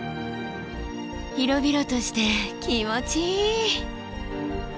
広々として気持ちいい。